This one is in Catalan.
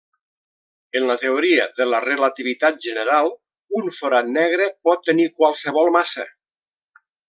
En la teoria de la relativitat general un forat negre pot tenir qualsevol massa.